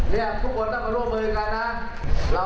เนี่ยทุกคนต้องมาร่วมเวลากันนะ